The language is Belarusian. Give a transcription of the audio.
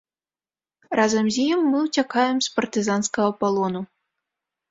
Разам з ім мы ўцякаем з партызанскага палону.